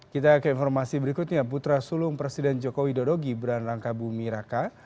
kita ke informasi berikutnya putra sulung presiden jokowi dodo gibran rangka bumi raka